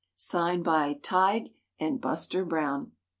Signed by Tige and Buster Brown.